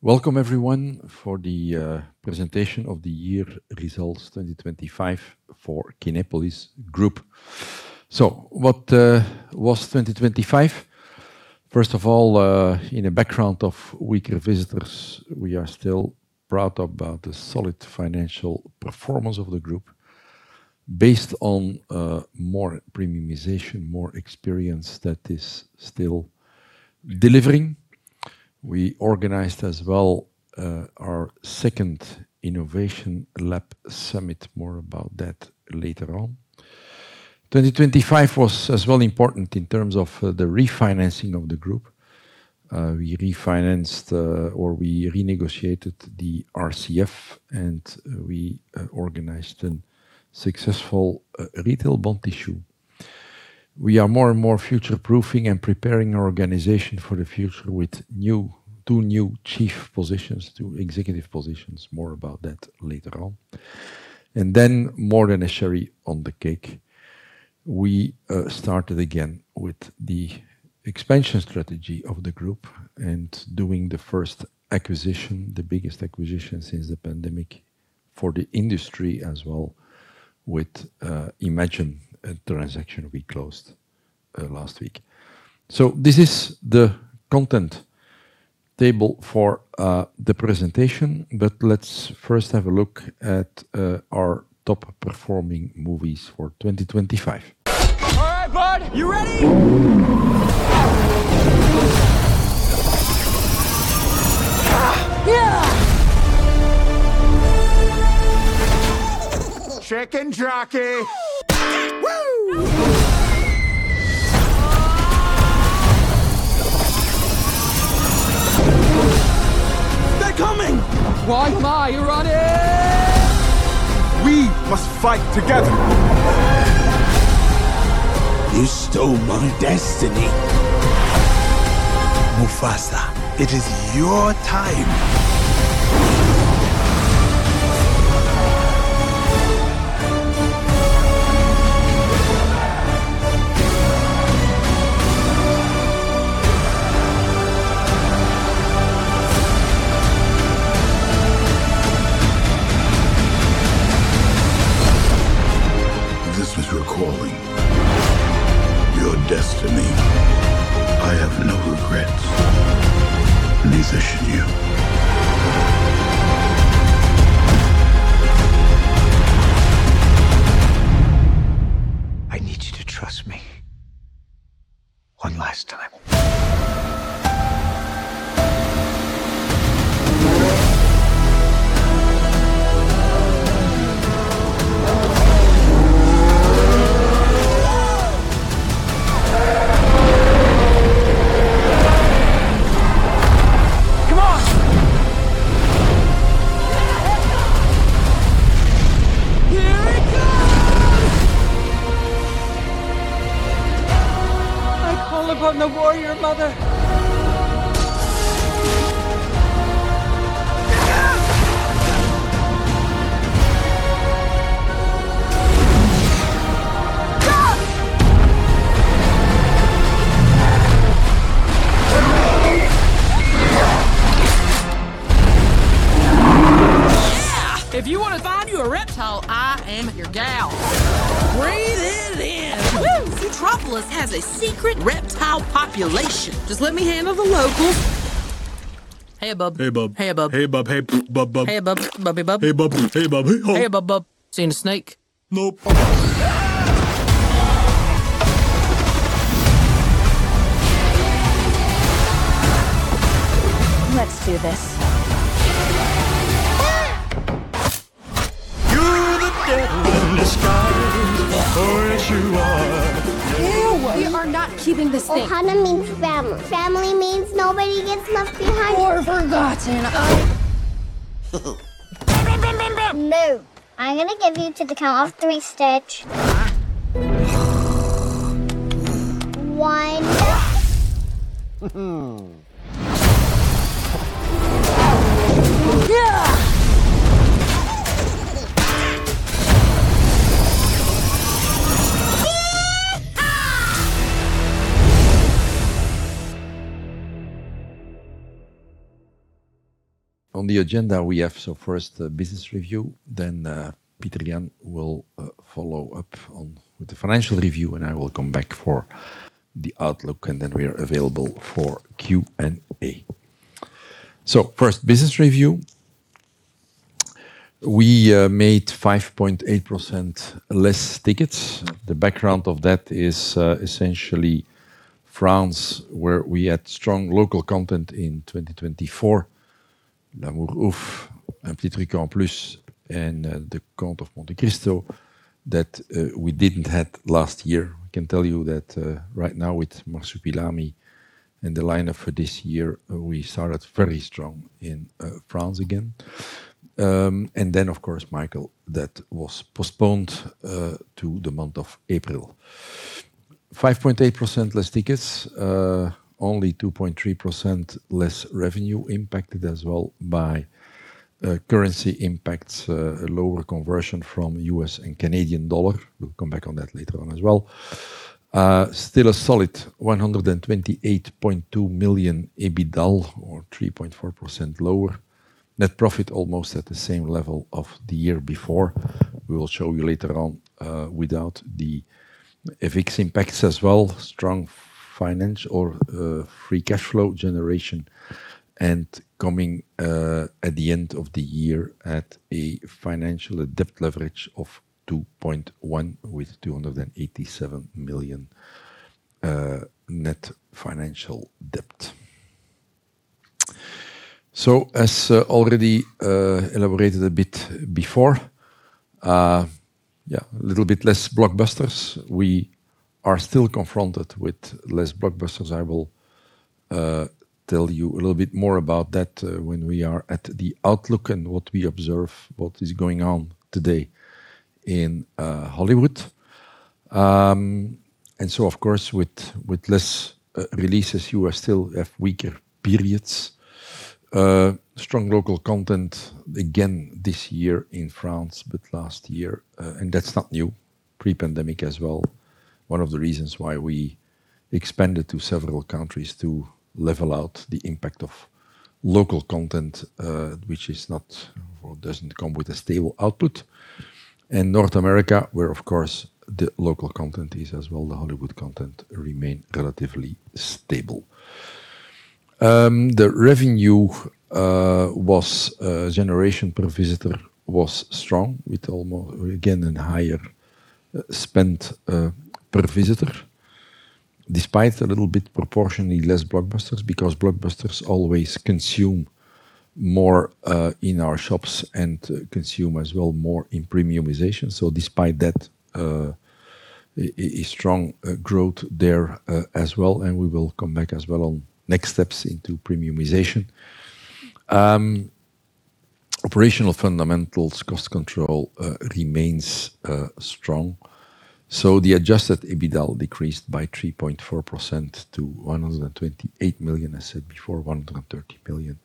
Welcome everyone for the presentation of the year results 2025 for Kinepolis Group. What was 2025? First of all, in a background of weaker visitors, we are still proud about the solid financial performance of the group based on more premiumization, more experience that is still delivering. We organized as well our second Innovation Lab Summit. More about that later on. 2025 was as well important in terms of the refinancing of the group. We refinanced or we renegotiated the RCF and we organized a successful retail bond issue. We are more and more future-proofing and preparing our organization for the future with two new chief positions, two executive positions. More about that later on. More than a cherry on the cake, we started again with the expansion strategy of the group and doing the first acquisition, the biggest acquisition since the pandemic for the industry as well with Emagine transaction we closed last week. This is the content table for the presentation. Let's first have a look at our top-performing movies for 2025. All right, bud. You ready? Yeah. Chicken Jockey. Whoo! They're coming. Why am I running? We must fight together. You stole my destiny. Mufasa, it is your time. This was your calling, your destiny. I have no regrets. Neither should you. I need you to trust me one last time. Come on. Get a head start! Here it comes! I call upon the warrior mother. Look out! Go! Yeah. If you wanna find you a reptile, I am your gal. Breathe it in. Whoo! Metropolis has a secret reptile population. Just let me handle the locals. Hey, Bub. Hey, Bub. Hey, Bub. Hey, Bub. Hey, Bub-Bub. Hey, Bub. Bubby Bub. Hey, Bub. Hey, Bub. Hey-ho. Hey, Bub-Bub. Seen a snake? Nope. Let's do this. You're the devil in disguise. Yes, you are. Ew! We are not keeping this thing. Ohana means family. Family means nobody gets left behind. forgotten. Bam, bam, bam. No. I'm gonna give you to the count of three, Stitch. Huh? One. Yeah. Yee-haw! On the agenda we have, first, the business review, then, Pieter-Jan will follow up on with the financial review, and I will come back for the outlook, and then we are available for Q&A. First, business review. We made 5.8% less tickets. The background of that is essentially France, where we had strong local content in 2024. L'Amour ouf, Un p'tit truc en plus, and The Count of Monte Cristo that we didn't have last year. I can tell you that right now with Marsupilami in the lineup for this year, we started very strong in France again. Then of course, Michael, that was postponed to the month of April 5.8% less tickets, only 2.3% less revenue impacted as well by currency impacts, lower conversion from USD and CAD. We'll come back on that later on as well. Still a solid 128.2 million EBITDA or 3.4% lower. Net profit almost at the same level of the year before. We will show you later on, without the FX impacts as well. Strong finance or free cash flow generation. Coming at the end of the year at a financial debt leverage of 2.1 with 287 million net financial debt. As already elaborated a bit before, a little bit less blockbusters. We are still confronted with less blockbusters. I will tell you a little bit more about that when we are at the outlook and what we observe, what is going on today in Hollywood. Of course, with less releases, you are still have weaker periods. Strong local content again this year in France, but last year. That's not new. Pre-pandemic as well, one of the reasons why we expanded to several countries to level out the impact of local content, which is not or doesn't come with a stable output. In North America, where, of course, the local content is as well, the Hollywood content remain relatively stable. The revenue generation per visitor was strong with again, an higher spent per visitor. Despite a little bit proportionally less blockbusters, because blockbusters always consume more in our shops and consume as well more in premiumization. Despite that, a strong growth there as well, and we will come back as well on next steps into premiumization. Operational fundamentals, cost control, remains strong. The adjusted EBITDA decreased by 3.4% to 128 million, I said before, 130 million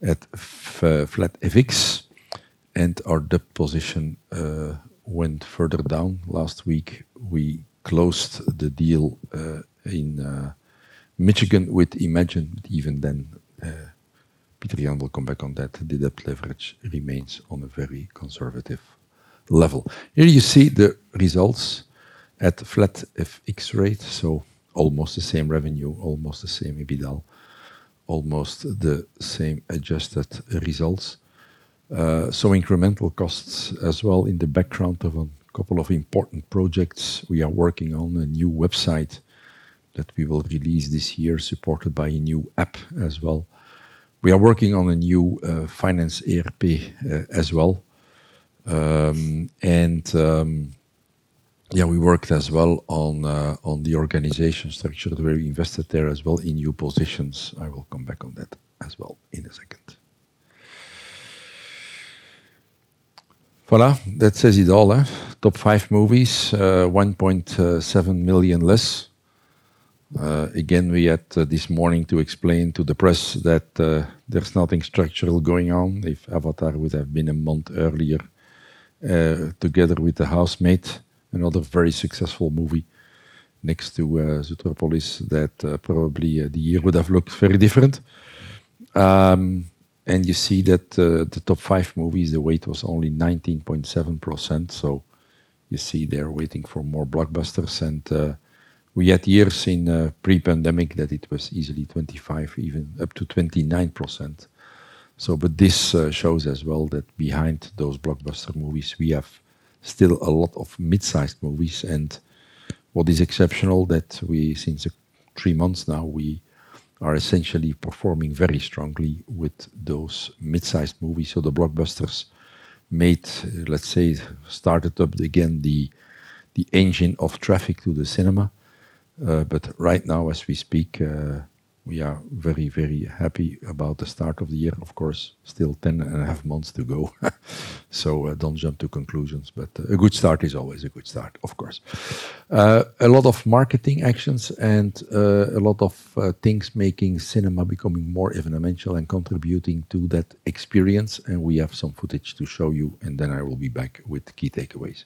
at flat FX. Our debt position went further down. Last week, we closed the deal in Michigan with Emagine. Peter Jan will come back on that. The debt leverage remains on a very conservative level. Here you see the results at flat FX rate, almost the same revenue, almost the same EBITDA, almost the same adjusted results. Incremental costs as well in the background of a couple of important projects. We are working on a new website that we will release this year, supported by a new app as well. We are working on a new finance ERP as well. We worked as well on the organization structure. We're invested there as well in new positions. I will come back on that as well in a second. Voilà. That says it all, top five movies, 1.7 million less. Again, we had this morning to explain to the press that there's nothing structural going on. If Avatar would have been a month earlier, together with The Housemaid, another very successful movie next to Zootropolis, that probably the year would have looked very different. You see that the top five movies, the weight was only 19.7%, you see they're waiting for more blockbusters. We had years in pre-pandemic that it was easily 25, even up to 29%. This shows as well that behind those blockbuster movies, we have still a lot of mid-sized movies. What is exceptional that we, since three months now, we are essentially performing very strongly with those mid-sized movies. The blockbusters made, let's say, started up again the engine of traffic to the cinema. Right now, as we speak, we are very, very happy about the start of the year. Of course, still 10 and a half months to go. Don't jump to conclusions, a good start is always a good start, of course. A lot of marketing actions, a lot of things making cinema becoming more evidential and contributing to that experience. We have some footage to show you. I will be back with key takeaways.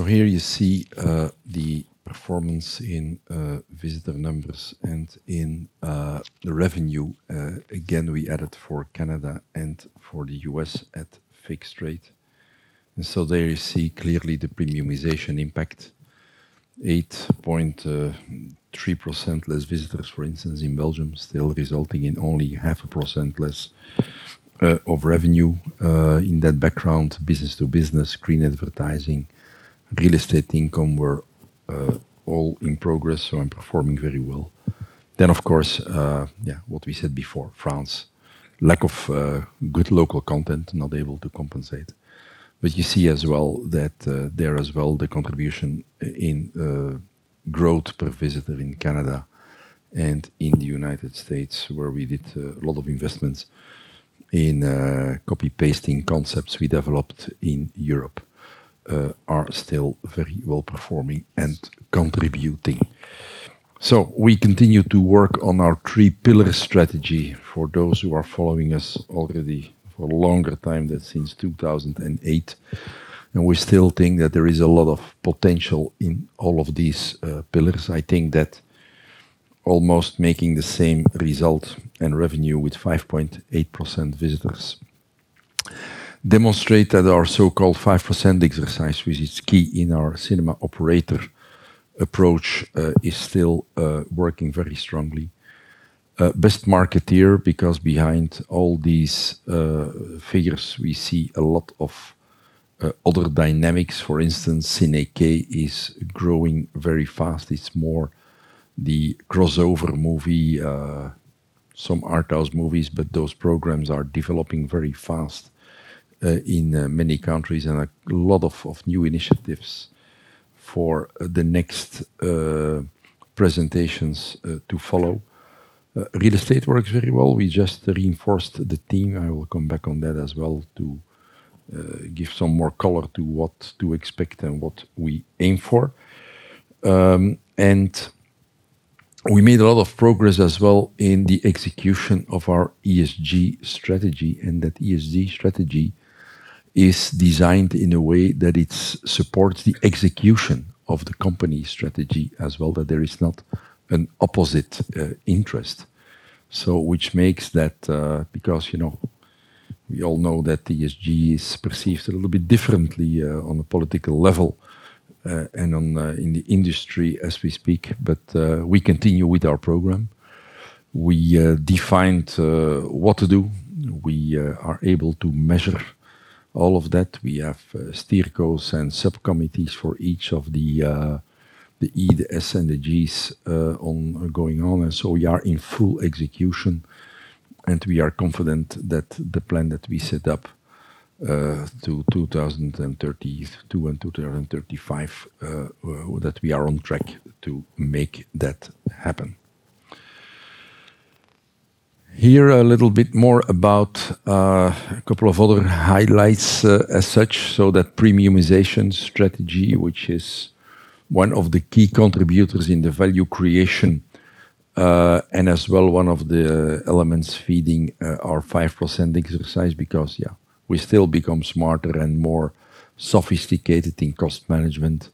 Here you see the performance in visitor numbers and in the revenue. Again, we added for Canada and for the US at fixed rate. There you see clearly the premiumization impact. 8.3% less visitors, for instance, in Belgium, still resulting in only half a percent less of revenue. In that background, business-to-business, screen advertising, real estate income were all in progress and performing very well. Of course, what we said before, France. Lack of good local content, not able to compensate. You see as well that there as well the contribution in growth per visitor in Canada and in the United States, where we did a lot of investments in copy-pasting concepts we developed in Europe, are still very well performing and contributing. We continue to work on our three-pillar strategy for those who are following us already for a longer time than since 2008. We still think that there is a lot of potential in all of these pillars. I think that almost making the same result and revenue with 5.8% visitors demonstrated our so-called 5% exercise, which is key in our cinema operator approach, is still working very strongly. Best marketeer because behind all these figures we see a lot of other dynamics. For instance, Ciné K is growing very fast. It's more the crossover movie, some arthouse movies. Those programs are developing very fast in many countries and a lot of new initiatives for the next presentations to follow. Real estate works very well. We just reinforced the team. I will come back on that as well to give some more color to what to expect and what we aim for. We made a lot of progress as well in the execution of our ESG strategy. That ESG strategy is designed in a way that it supports the execution of the company strategy as well, that there is not an opposite interest. Which makes that, because, you know, we all know that the ESG is perceived a little bit differently on a political level and on the, in the industry as we speak. We continue with our program. We defined what to do. We are able to measure all of that. We have steer course and sub-committees for each of the E, the S, and the Gs going on. We are in full execution, and we are confident that the plan that we set up to 2032 and 2035 that we are on track to make that happen. Here a little bit more about a couple of other highlights as such. That premiumization strategy, which is one of the key contributors in the value creation, and as well one of the elements feeding our 5% exercise because, yeah, we still become smarter and more sophisticated in cost management.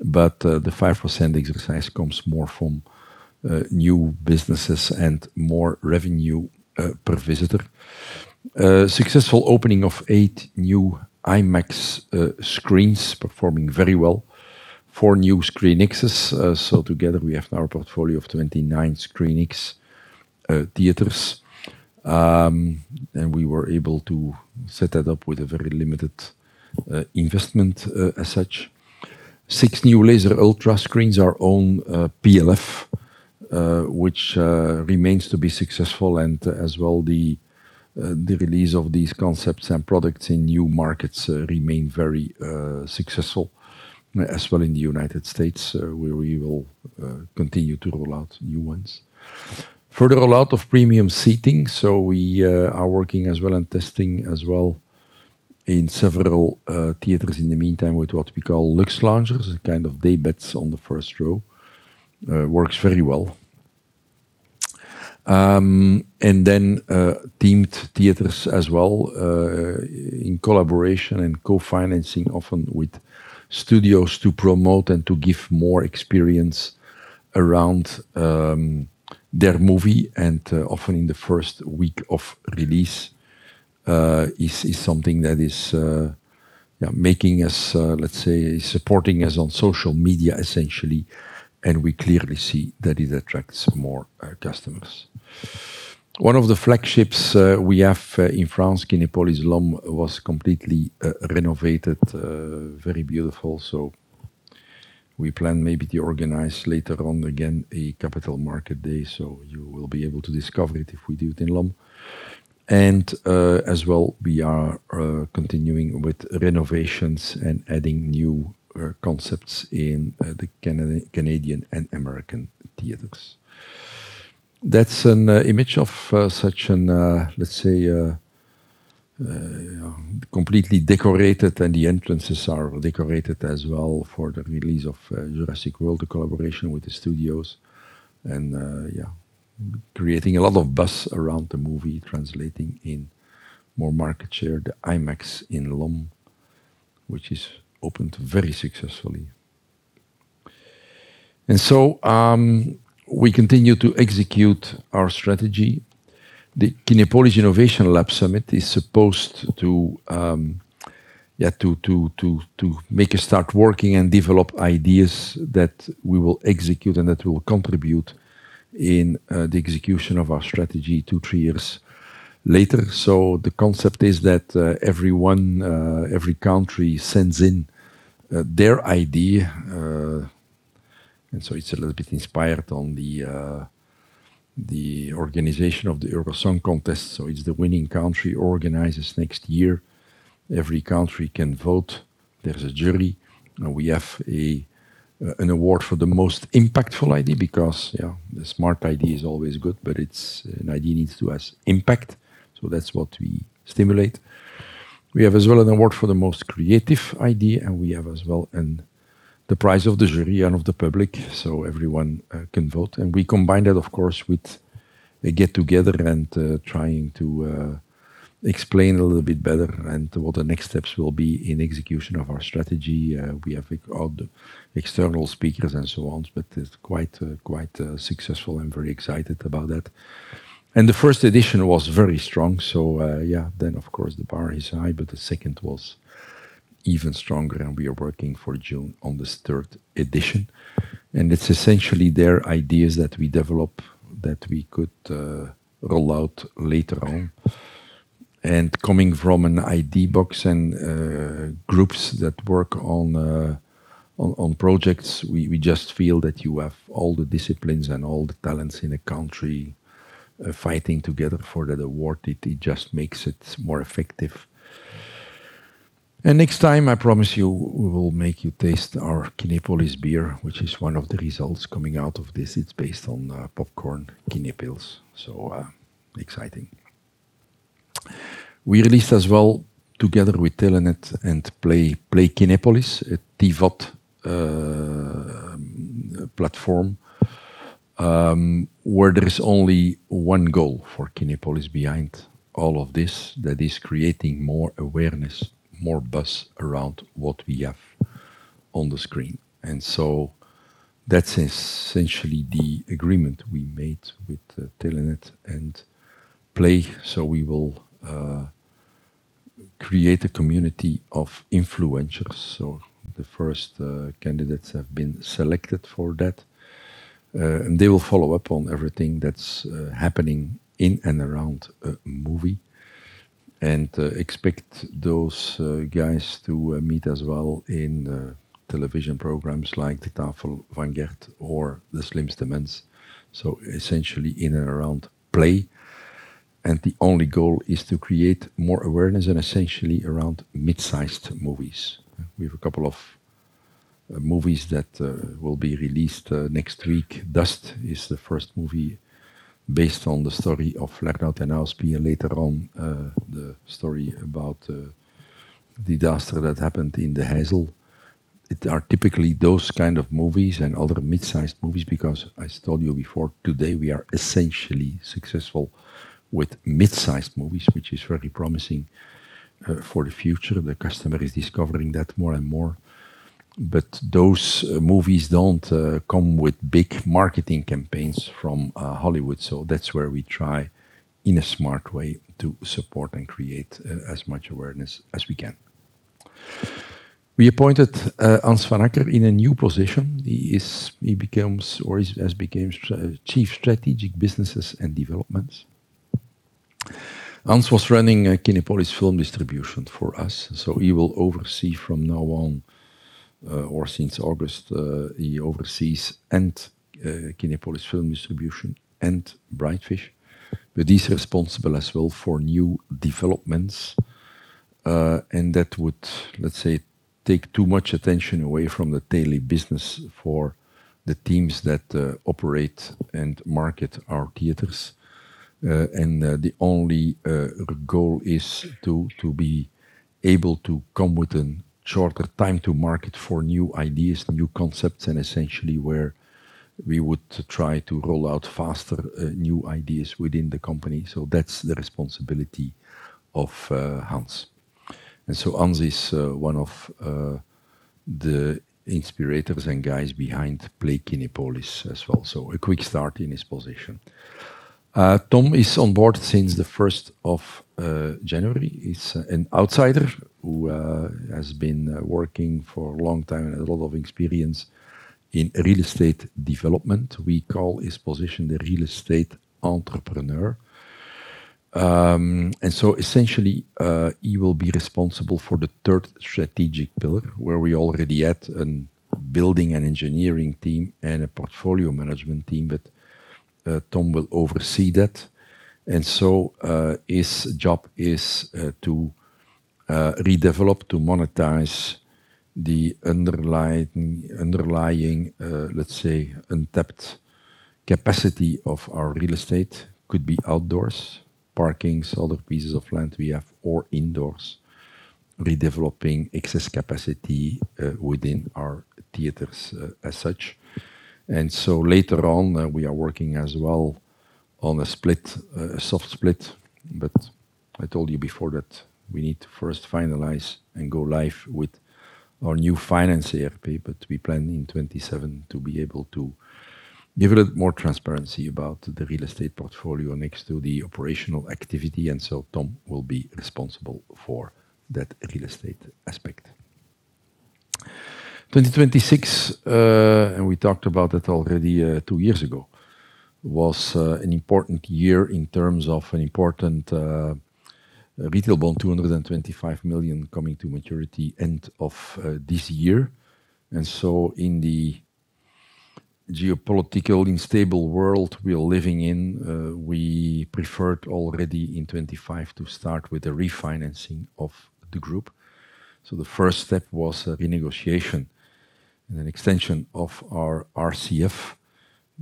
The 5% exercise comes more from new businesses and more revenue per visitor. Successful opening of eight new IMAX screens performing very well. Four new ScreenXs, so together we have now a portfolio of 29 ScreenX theaters. We were able to set that up with a very limited investment as such. Six new Laser ULTRA screens, our own PLF, which remains to be successful, and as well the release of these concepts and products in new markets remain very successful as well in the United States, where we will continue to roll out new ones. Further rollout of premium seating, so we are working as well and testing as well in several theaters in the meantime with what we call luxe loungers, a kind of daybeds on the first row. Works very well. Themed theaters as well, in collaboration and co-financing often with studios to promote and to give more experience around their movie, and often in the first week of release, is something that is, yeah, making us, let's say, supporting us on social media essentially, and we clearly see that it attracts more customers. One of the flagships we have in France, Kinepolis Lomme, was completely renovated, very beautiful. We plan maybe to organize later on again a capital market day, so you will be able to discover it if we do it in Lomme. As well, we are continuing with renovations and adding new concepts in the Canadian and American theaters. That's an image of such an, let's say, completely decorated, and the entrances are decorated as well for the release of Jurassic World, a collaboration with the studios. Yeah, creating a lot of buzz around the movie, translating in more market share. The IMAX in Lomme, which is opened very successfully. We continue to execute our strategy. The Kinepolis Innovation Lab Summit is supposed to make us start working and develop ideas that we will execute and that will contribute in the execution of our strategy two, three years later. The concept is that everyone, every country sends in their idea. It's a little bit inspired on the organization of the Eurovision Song Contest. It's the winning country organizes next year. Every country can vote. There's a jury. We have an award for the most impactful idea because the smart idea is always good, but an idea needs to has impact, so that's what we stimulate. We have as well an award for the most creative idea, and we have as well the prize of the jury and of the public. Everyone can vote. We combine that, of course, with a get together and trying to explain a little bit better and what the next steps will be in execution of our strategy. We have, like, all the external speakers and so on, but it's quite successful and very excited about that. The first edition was very strong, so, then of course, the bar is high, but the second was even stronger, and we are working for June on this third edition. It's essentially their ideas that we develop that we could roll out later on. Coming from an idea box and groups that work on projects, we just feel that you have all the disciplines and all the talents in a country fighting together for that award. It just makes it more effective. Next time, I promise you, we will make you taste our Kinepolis beer, which is one of the results coming out of this. It's based on popcorn Kinepils, so exciting. We released as well, together with Telenet and Play Kinepolis, a TVoD platform, where there is only one goal for Kinepolis behind all of this. That is creating more awareness, more buzz around what we have on the screen. That's essentially the agreement we made with Telenet and Play. We will create a community of influencers. The first candidates have been selected for that. They will follow up on everything that's happening in and around a movie, and expect those guys to meet as well in television programs like De Tafel van Vier or De Slimste Mens, so essentially in and around Play. The only goal is to create more awareness and essentially around mid-sized movies. We have a couple of movies that will be released next week. Dust is the first movie based on the story of Fernand De Pauw, and later on, the story about the disaster that happened in the Heysel. It are typically those kind of movies and other mid-sized movies because I told you before, today we are essentially successful with mid-sized movies, which is very promising for the future. The customer is discovering that more and more. Those movies don't come with big marketing campaigns from Hollywood. That's where we try in a smart way to support and create as much awareness as we can. We appointed Hans Van Acker in a new position. He becomes or is, has became Chief Strategic Businesses and Developments. Hans was running Kinepolis Film Distribution for us, so he will oversee from now on or since August, he oversees and Kinepolis Film Distribution and Brightfish. He's responsible as well for new developments, and that would, let's say, take too much attention away from the daily business for the teams that operate and market our theaters. The only goal is to be able to come with a shorter time to market for new ideas, new concepts, and essentially where we would try to roll out faster new ideas within the company. That's the responsibility of Hans. Hans is one of the inspirators and guys behind Play Kinepolis as well. A quick start in his position. Tom is on board since the 1st of January. He's an outsider who has been working for a long time and a lot of experience in real estate development. We call his position the real estate entrepreneur. Essentially, he will be responsible for the third strategic pillar, where we already had a building and engineering team and a portfolio management team. Tom will oversee that. His job is to redevelop, to monetize the underlying, let's say untapped capacity of our real estate. Could be outdoors, parkings, other pieces of land we have, or indoors redeveloping excess capacity within our theaters as such. Later on, we are working as well on a split, a soft split. I told you before that we need to first finalize and go live with our new finance AFP. We plan in 2027 to be able to give a little more transparency about the real estate portfolio next to the operational activity. Tom will be responsible for that real estate aspect. 2026, and we talked about that already, two years ago, was an important year in terms of an important retail bond, 225 million coming to maturity end of this year. In the geopolitical unstable world we are living in, we preferred already in 2025 to start with the refinancing of the group. The first step was a renegotiation and an extension of our RCF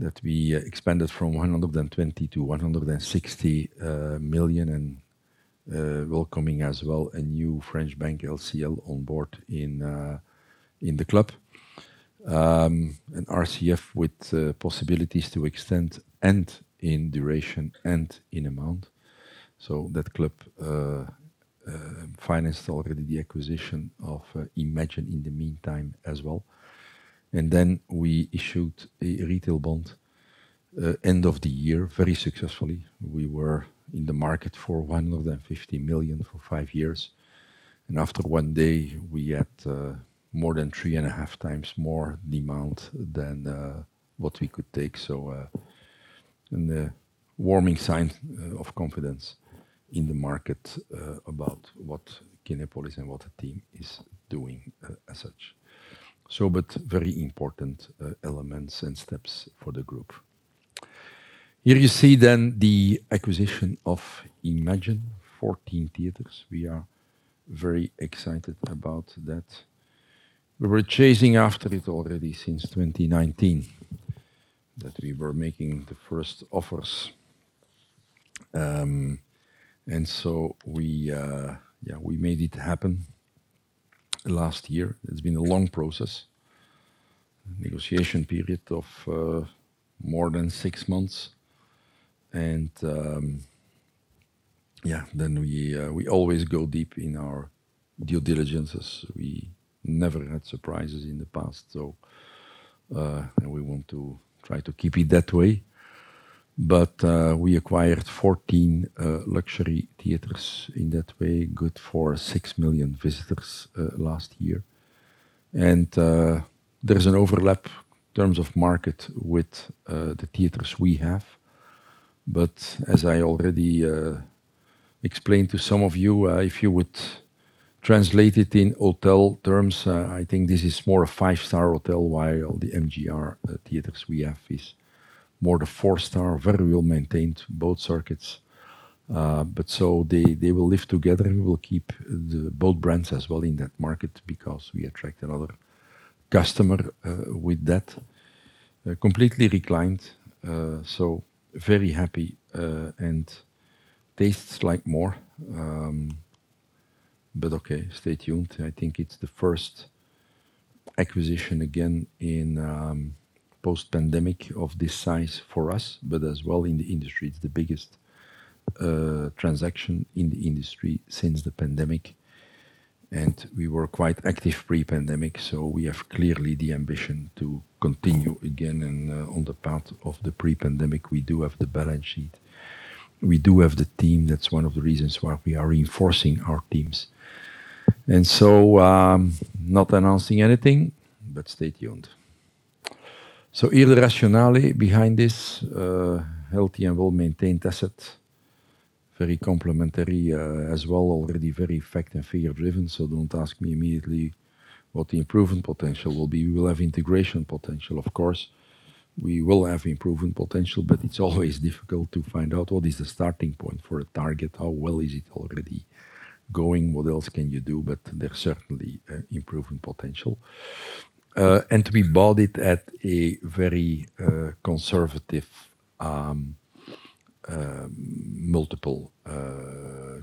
that we expanded from 120 million-160 million and welcoming as well a new French bank, LCL, on board in the club. RCF with possibilities to extend and in duration and in amount. That club financed already the acquisition of Kinepolis in the meantime as well. We issued a retail bond, end of the year, very successfully. We were in the market for 150 million for five years, and after one day we had more than 3.5 times more demand than what we could take. A warming sign of confidence in the market about what Kinepolis and what the team is doing as such. Very important elements and steps for the group. Here you see the acquisition of Kinepolis, 14 theaters. We are very excited about that. We were chasing after it already since 2019 that we were making the first offers. We made it happen last year. It's been a long process, negotiation period of more than six months. We always go deep in our due diligences. We never had surprises in the past, so, and we want to try to keep it that way. We acquired 14 luxury theaters in that way, good for 6 million visitors last year. There's an overlap in terms of market with the theaters we have. As I already explained to some of you, if you would translate it in hotel terms, I think this is more a 5-star hotel, while the MJR Theatres we have is more the 4-star. Very well-maintained, both circuits. They will live together. We will keep the both brands as well in that market because we attract another customer with that. Completely reclined, so very happy, and tastes like more. But okay, stay tuned. I think it's the first acquisition again in post-pandemic of this size for us, but as well in the industry. It's the biggest transaction in the industry since the pandemic. We were quite active pre-pandemic, so we have clearly the ambition to continue again. On the path of the pre-pandemic, we do have the balance sheet. We do have the team. That's one of the reasons why we are reinforcing our teams. So not announcing anything, but stay tuned. Irrationality behind this healthy and well-maintained asset, very complementary, as well already very effective, fee-driven. Don't ask me immediately what the improvement potential will be. We will have integration potential, of course. We will have improvement potential, it's always difficult to find out what is the starting point for a target, how well is it already going, what else can you do? There's certainly improvement potential. We bought it at a very conservative multiple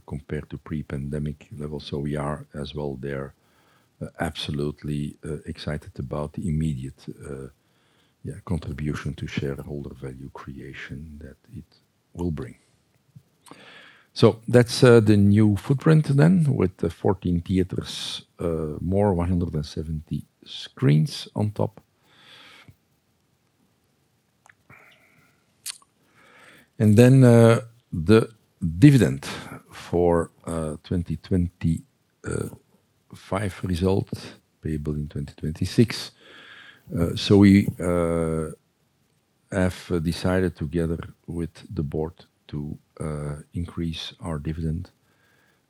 compared to pre-pandemic levels. We are as well there, absolutely excited about the immediate, yeah, contribution to shareholder value creation that it will bring. That's the new footprint with the 14 theaters, more 170 screens on top. The dividend for 2025 result payable in 2026. We have decided together with the board to increase our dividend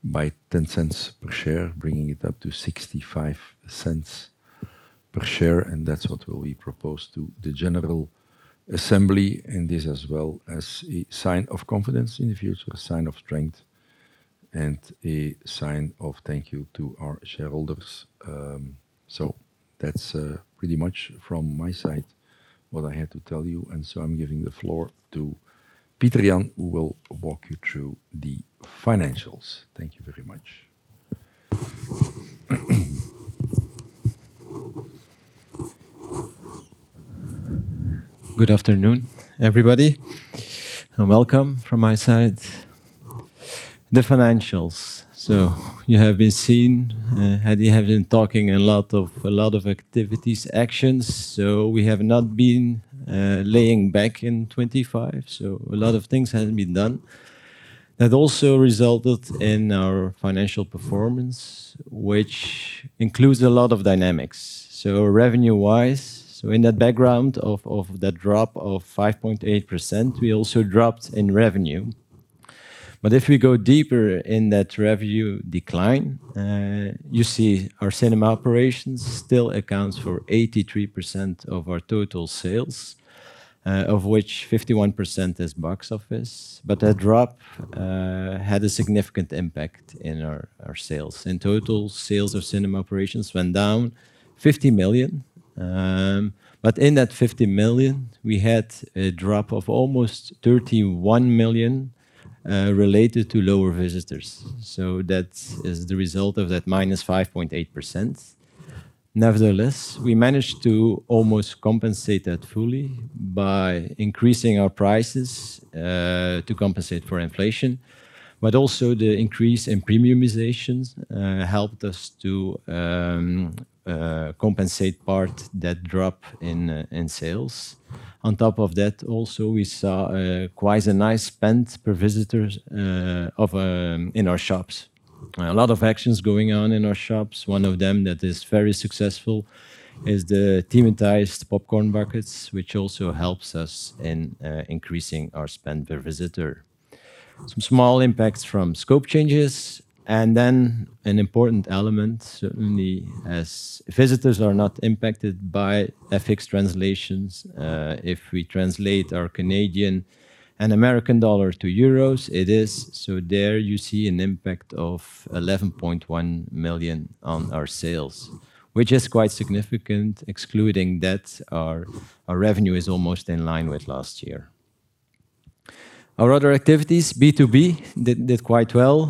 by 0.10 per share, bringing it up to 0.65 per share, that's what will be proposed to the general assembly. This as well as a sign of confidence in the future, a sign of strength, and a sign of thank you to our shareholders. That's pretty much from my side what I had to tell you. I'm giving the floor to Pieter-Jan, who will walk you through the financials. Thank you very much. Good afternoon, everybody, and welcome from my side. The financials. You have been seeing Eddy have been talking a lot of activities, actions. We have not been laying back in 2025, a lot of things have been done. That also resulted in our financial performance, which includes a lot of dynamics. Revenue-wise, in that background of that drop of 5.8%, we also dropped in revenue. If we go deeper in that revenue decline, you see our cinema operations still accounts for 83% of our total sales, of which 51% is box office. That drop had a significant impact in our sales. In total, sales of cinema operations went down 50 million. In that 50 million, we had a drop of almost 31 million related to lower visitors. That is the result of that -5.8%. Nevertheless, we managed to almost compensate that fully by increasing our prices to compensate for inflation. Also the increase in premiumizations helped us to compensate part that drop in sales. On top of that, also we saw quite a nice spend per visitors of in our shops. A lot of actions going on in our shops. One of them that is very successful is the thematized popcorn buckets, which also helps us in increasing our spend per visitor. Some small impacts from scope changes, an important element, certainly as visitors are not impacted by FX translations. If we translate our Canadian and U.S. dollar to EUR, it is. There you see an impact of 11.1 million on our sales, which is quite significant. Excluding that, our revenue is almost in line with last year. Our other activities, B2B did quite well.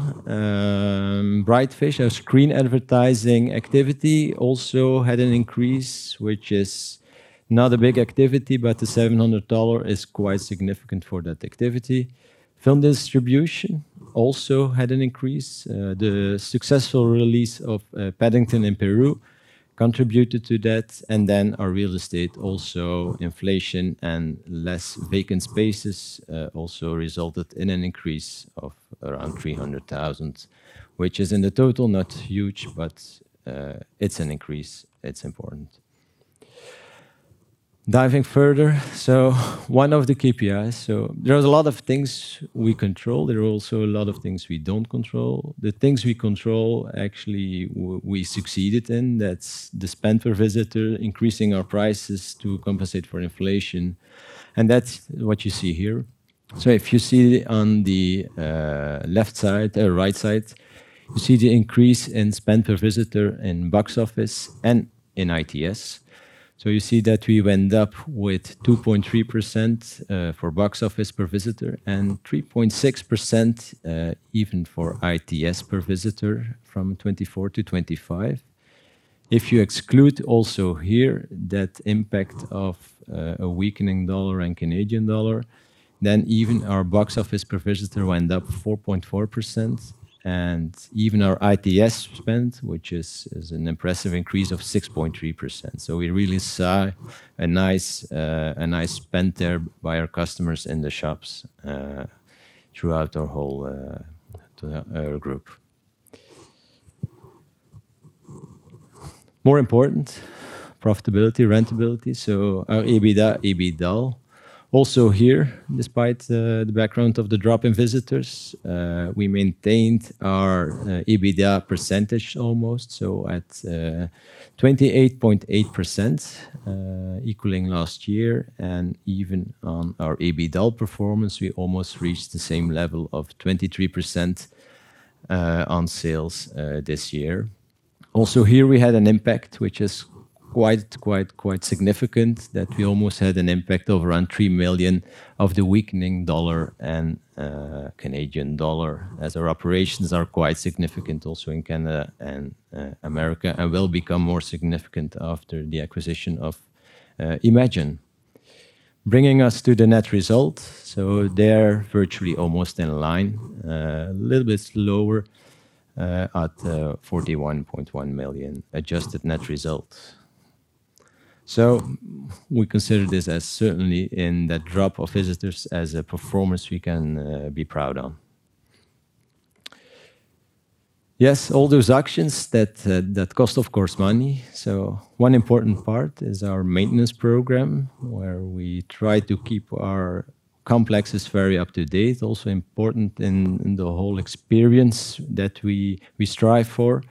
Brightfish, our screen advertising activity also had an increase, which is not a big activity, but the EUR 700 is quite significant for that activity. Film distribution also had an increase. The successful release of Paddington in Peru contributed to that. Our real estate also, inflation and less vacant spaces, also resulted in an increase of around 300,000, which is in the total not huge, but it's an increase. It's important. Diving further, one of the KPIs, there is a lot of things we control. There are also a lot of things we don't control. The things we control, actually, we succeeded in, that's the spend per visitor, increasing our prices to compensate for inflation. That's what you see here. If you see on the left side, right side, you see the increase in spend per visitor in box office and in ITS. You see that we've end up with 2.3% for box office per visitor and 3.6% even for ITS per visitor from 2024 to 2025. If you exclude also here that impact of a weakening USD and CAD, then even our box office per visitor went up 4.4%, and even our ITS spend, which is an impressive increase of 6.3%. We really saw a nice, a nice spend there by our customers in the shops, throughout our whole group. More important, profitability, rentability, so our EBITDA, EBITDAL also here, despite the background of the drop in visitors, we maintained our EBITDA percentage almost, so at 28.8%, equaling last year. Even on our EBITDAL performance, we almost reached the same level of 23% on sales this year. Also here, we had an impact, which is quite significant, that we almost had an impact of around 3 million of the weakening dollar and Canadian dollar as our operations are quite significant also in Canada and America, and will become more significant after the acquisition of Emagine. Bringing us to the net result. There virtually almost in line. A little bit slower, at 41.1 million adjusted net results. We consider this as certainly in that drop of visitors as a performance we can be proud on. Yes, all those actions that cost, of course, money. One important part is our maintenance program, where we try to keep our complexes very up-to-date. Also important in the whole experience that we strive for.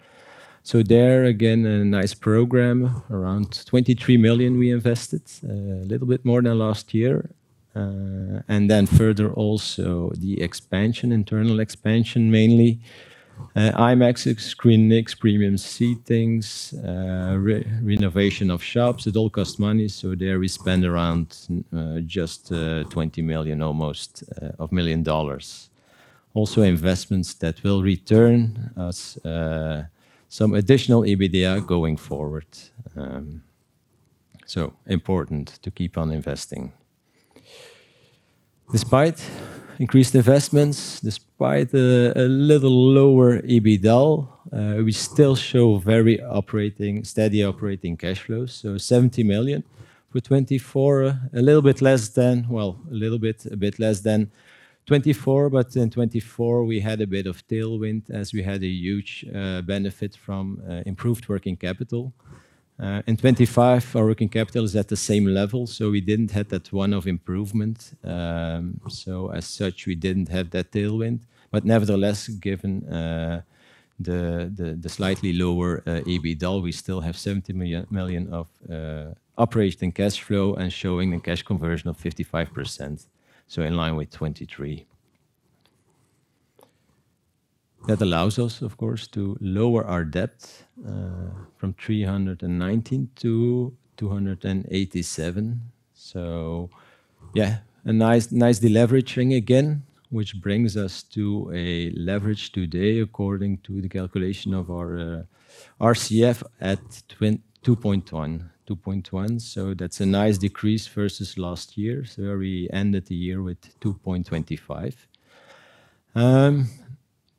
There again, a nice program, around 23 million we invested. A little bit more than last year. Further also the expansion, internal expansion mainly. IMAX screen mix, premium seatings, re-renovation of shops. It all costs money, there we spend around just $20 million almost of million dollars. Also investments that will return us some additional EBITDA going forward. Important to keep on investing. Despite increased investments, despite the, a little lower EBITDAL, we still show very operating, steady operating cash flows. 70 million for 2024. A little bit less than 2024, but in 2024, we had a bit of tailwind as we had a huge benefit from improved working capital. In 2025 our working capital is at the same level, so we didn't have that one-off improvement. As such, we didn't have that tailwind. Nevertheless, given the slightly lower EBITDAL, we still have 70 million of operating cash flow and showing a cash conversion of 55%, so in line with 2023. That allows us, of course, to lower our debt from 319 million to 287 million. Yeah, a nice deleveraging again, which brings us to a leverage today according to the calculation of our RCF at 2.1. 2.1, that's a nice decrease versus last year. We ended the year with 2.25.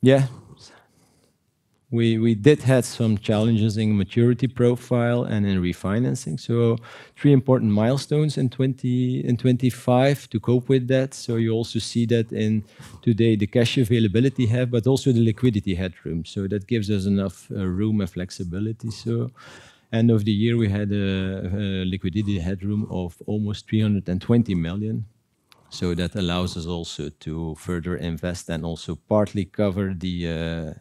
Yeah. We did have some challenges in maturity profile and in refinancing. Three important milestones in 2025 to cope with that. You also see that in today, the cash availability we have, but also the liquidity headroom. That gives us enough room and flexibility. End of the year, we had liquidity headroom of almost 320 million. That allows us also to further invest and also partly cover the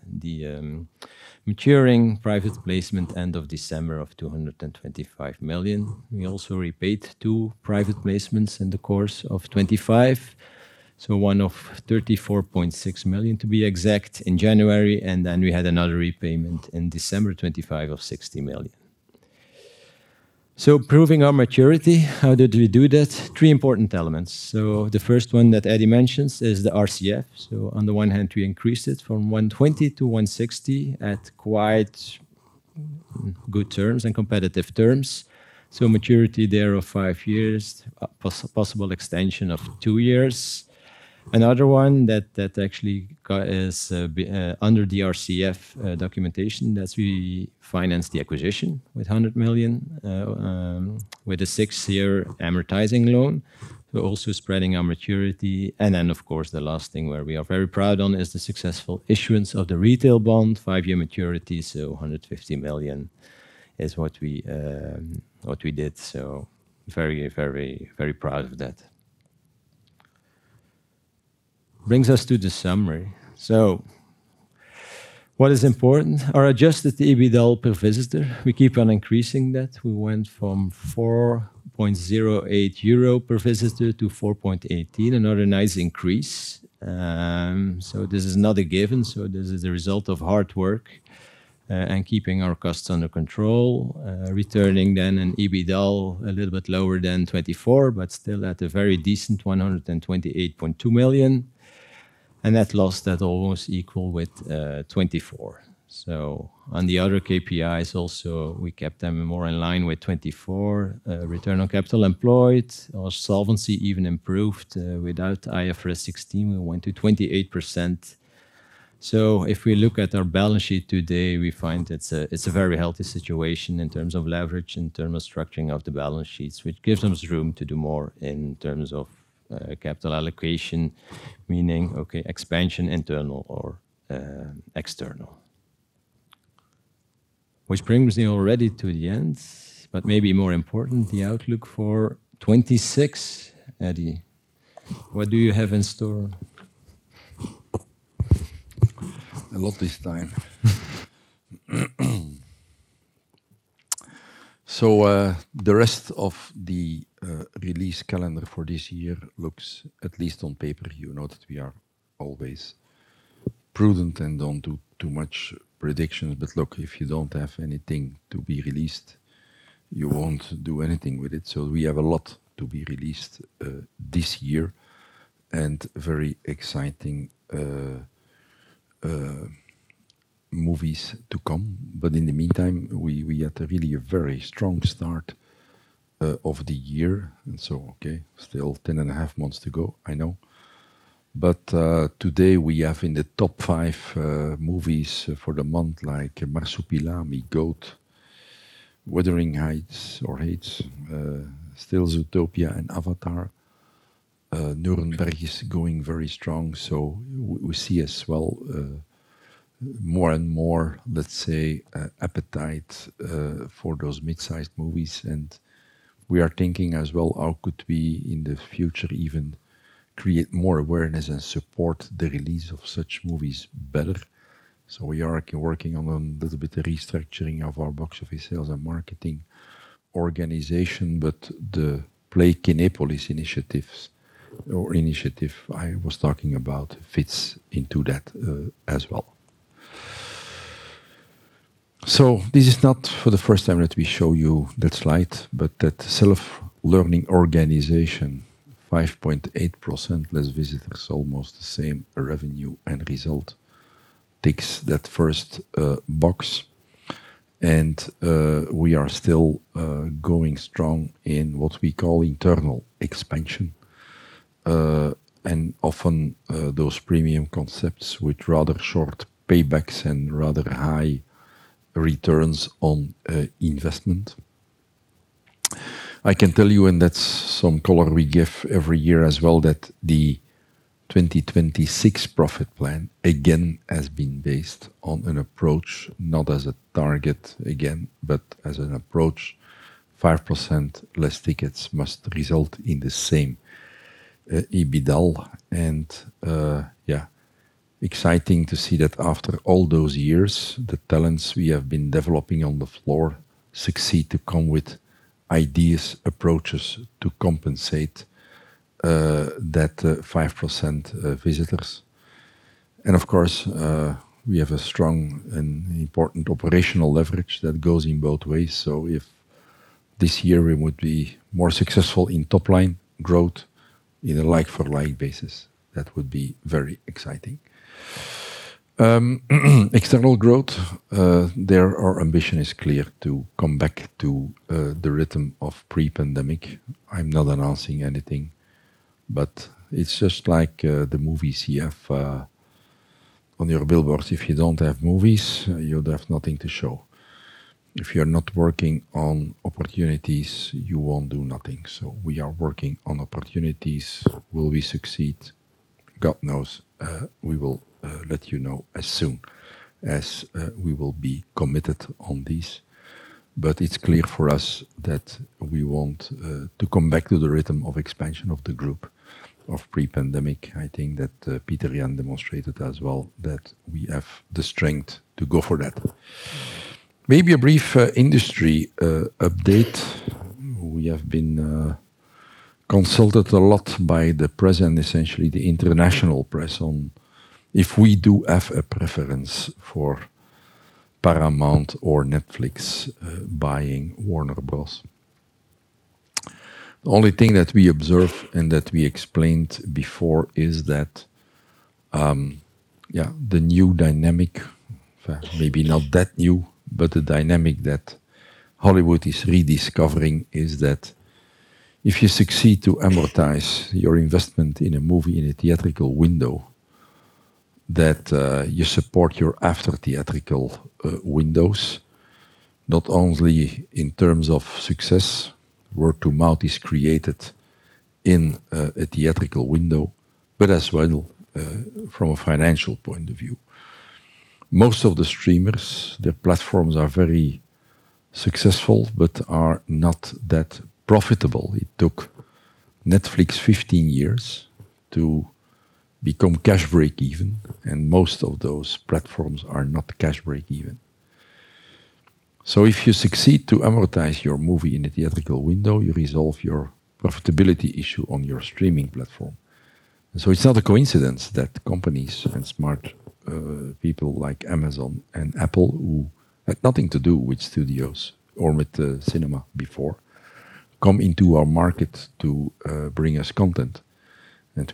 maturing private placement end of December of 225 million. We also repaid two private placements in the course of 2025, one of 34.6 million to be exact in January, and then we had another repayment in December 2025 of 60 million. Proving our maturity? How did we do that? Three important elements. The first one that Eddy mentions is the RCF. On the one hand, we increased it from 120 million-160 million at quite good terms and competitive terms. Maturity there of five years, possible extension of two years. Another one that actually got under the RCF documentation, we financed the acquisition with 100 million with a six-year amortizing loan. We're also spreading our maturity. Of course, the last thing where we are very proud on is the successful issuance of the retail bond, five-year maturity, 150 million is what we did. Very proud of that. Brings us to the summary. What is important? Our adjusted EBITDA per visitor, we keep on increasing that. We went from 4.08 euro per visitor to 4.18, another nice increase. This is not a given, this is a result of hard work and keeping our costs under control. Returning then an EBITDA a little bit lower than 2024, but still at a very decent 128.2 million. Net loss that almost equal with 2024. On the other KPIs also, we kept them more in line with 2024. Return on capital employed. Our solvency even improved. Without IFRS 16, we went to 28%. If we look at our balance sheet today, we find it's a very healthy situation in terms of leverage, in terms of structuring of the balance sheets, which gives us room to do more in terms of capital allocation, meaning, okay, expansion, internal or external. Brings me already to the end, but maybe more important, the outlook for 2026. Eddy, what do you have in store? A lot this time. The rest of the release calendar for this year looks, at least on paper, you know that we are always prudent and don't do too much predictions. Look, if you don't have anything to be released, you won't do anything with it. We have a lot to be released this year and very exciting movies to come. In the meantime, we had a really a very strong start of the year. Okay, still 10 and a half months to go, I know. Today we have in the top five movies for the month, like Marsupilami, Les Chèvres!, Wuthering Heights or Heights, still Zootopia and Avatar. Nuremberg is going very strong, so we see as well more and more, let's say, appetite for those mid-sized movies. We are thinking as well, how could we in the future even create more awareness and support the release of such movies better? We are working on a little bit of restructuring of our box office sales and marketing organization. The Play Kinepolis initiatives or initiative I was talking about fits into that as well. This is not for the first time that we show you that slide, but that self-learning organization, 5.8% less visitors, almost the same revenue and result, ticks that first box. We are still going strong in what we call internal expansion. Often, those premium concepts with rather short paybacks and rather high returns on investment. I can tell you, that's some color we give every year as well, that the 2026 profit plan again has been based on an approach, not as a target again, but as an approach. 5% less tickets must result in the same EBITDA. Exciting to see that after all those years, the talents we have been developing on the floor succeed to come with ideas, approaches to compensate that 5% visitors. Of course, we have a strong and important operational leverage that goes in both ways. If this year we would be more successful in top line growth in a like for like basis, that would be very exciting. External growth, there our ambition is clear to come back to the rhythm of pre-pandemic. I'm not announcing anything, it's just like the movies you have on your billboards. If you don't have movies, you'd have nothing to show. If you're not working on opportunities, you won't do nothing. We are working on opportunities. Will we succeed? God knows. We will let you know as soon as we will be committed on this. It's clear for us that we want to come back to the rhythm of expansion of the group of pre-pandemic. I think that Pieter-Jan demonstrated as well that we have the strength to go for that. Maybe a brief industry update. We have been consulted a lot by the press and essentially the international press on if we do have a preference for Paramount or Netflix buying Warner Bros. The only thing that we observe and that we explained before is that the new dynamic, maybe not that new, but the dynamic that Hollywood is rediscovering is that if you succeed to amortize your investment in a movie in a theatrical window, that you support your after theatrical windows, not only in terms of success, word of mouth is created in a theatrical window, but as well from a financial point of view. Most of the streamers, their platforms are very successful but are not that profitable. It took Netflix 15 years to become cash break even, and most of those platforms are not cash break even. If you succeed to amortize your movie in a theatrical window, you resolve your profitability issue on your streaming platform. It's not a coincidence that companies and smart people like Amazon and Apple, who had nothing to do with studios or with the cinema before, come into our market to bring us content.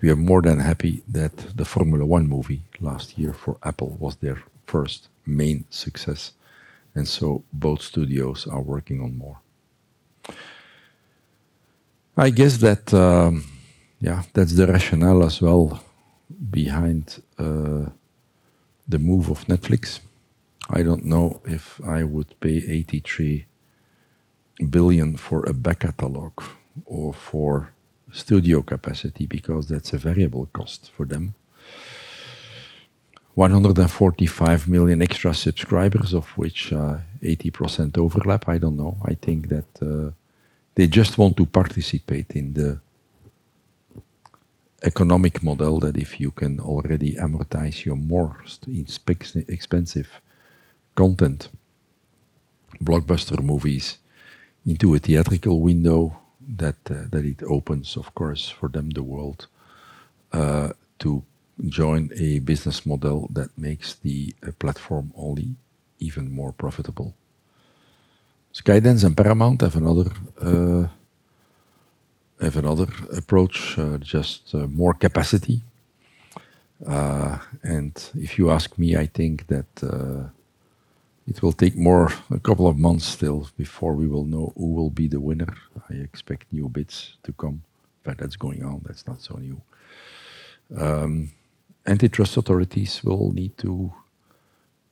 We are more than happy that the Formula One movie last year for Apple was their first main success. Both studios are working on more. I guess that, yeah, that's the rationale as well behind the move of Netflix. I don't know if I would pay 83 billion for a back catalog or for studio capacity because that's a variable cost for them. 145 million extra subscribers of which 80% overlap. I don't know. I think that they just want to participate in the economic model that if you can already amortize your most expensive content, blockbuster movies into a theatrical window, that it opens, of course, for them the world to join a business model that makes the platform only even more profitable. Skydance and Paramount have another, have another approach, just more capacity. If you ask me, I think that it will take more a couple of months still before we will know who will be the winner. I expect new bids to come. In fact, that's going on. That's not so new. Antitrust authorities will need to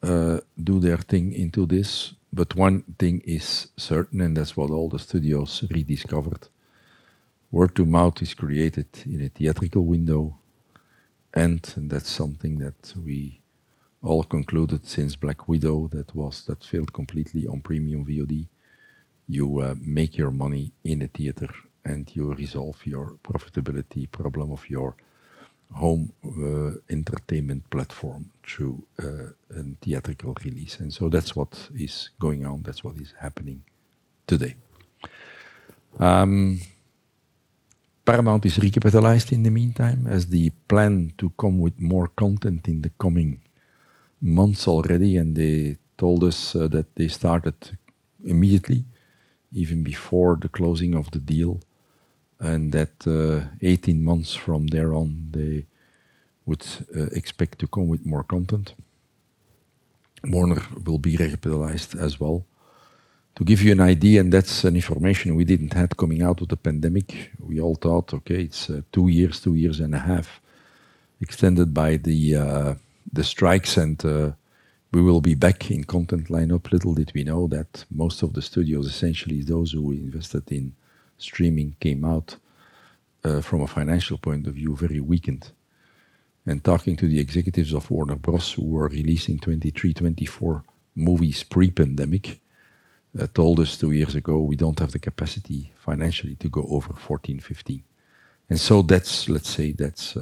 do their thing into this. One thing is certain, and that's what all the studios rediscovered. Word of mouth is created in a theatrical window, and that's something that we all concluded since Black Widow that failed completely on premium VOD. You make your money in a theater, and you resolve your profitability problem of your home entertainment platform through a theatrical release. That's what is going on. That's what is happening today. Paramount is recapitalized in the meantime as they plan to come with more content in the coming months already, and they told us that they started immediately, even before the closing of the deal, and that 18 months from there on, they would expect to come with more content. Warner will be recapitalized as well. To give you an idea, that's an information we didn't have coming out of the pandemic. We all thought, okay, it's two years, two and a half years extended by the strikes, and we will be back in content lineup. Little did we know that most of the studios, essentially those who invested in streaming, came out from a financial point of view, very weakened. Talking to the executives of Warner Bros., who were releasing 23, 24 movies pre-pandemic, told us two years ago, "We don't have the capacity financially to go over 14, 15." So that's let's say that's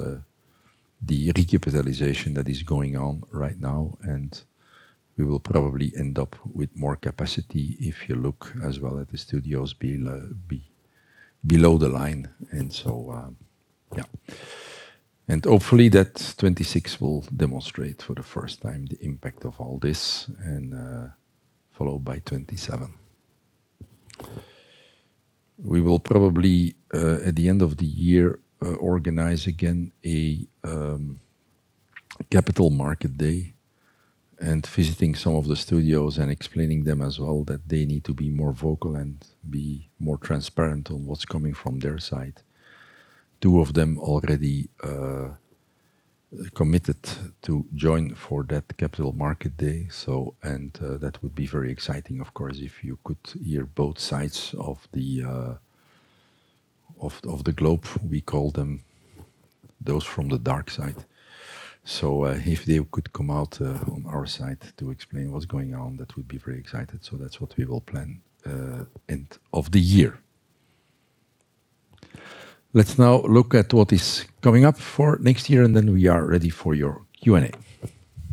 the recapitalization that is going on right now, and we will probably end up with more capacity if you look as well at the studios below the line. So, yeah. Hopefully that 2026 will demonstrate for the first time the impact of all this and followed by 2027. We will probably, at the end of the year, organize again a capital market day and visiting some of the studios and explaining them as well that they need to be more vocal and be more transparent on what's coming from their side. Two of them already committed to join for that capital market day, so and, that would be very exciting, of course, if you could hear both sides of the of the globe. We call them those from the dark side. If they could come out on our side to explain what's going on, that would be very excited. That's what we will plan end of the year. Let's now look at what is coming up for next year, then we are ready for your Q&A.